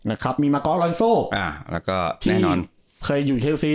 นะครับมีมากอลลอนโซอ่าแล้วก็แน่นอนเคยอยู่เชลซี